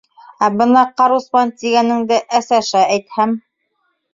Ә бына ҡарусман тигәнеңде әсәшә әйтһәм...